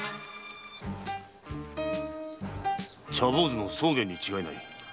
茶坊主の宗玄に違いない。